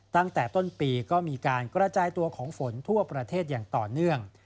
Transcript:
ตั้งแต่ต้นปีก็มีการกระจายตัวของฝนทั่วประเทศอย่างต่อเนื่อง